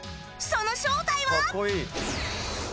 その正体は